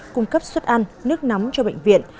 cung cấp suất ăn nước nóng cho bệnh viện